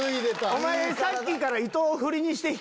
お前さっきから。